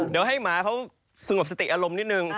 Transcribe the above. เดี๋ยวให้หมาเขาสงบสติอารมณ์นิดนึง